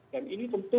dan ini tentu